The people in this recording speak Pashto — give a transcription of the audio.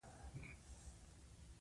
هغه نښې چې موږ یې کاروو عربي دي.